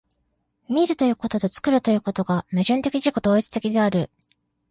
見るということと作るということとが矛盾的自己同一的である。